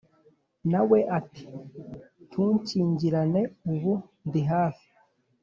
nawe ati: ntunkingirane ubu ndi hafi